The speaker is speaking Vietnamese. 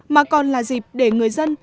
mà còn là dịp để người dân